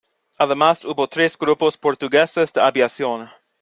Además, hubo tres grupos portugueses de aviación.